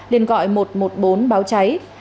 liên gọi một trăm một mươi bốn báo cháy